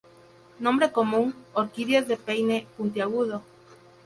Nombre común: orquídeas de peine puntiagudo.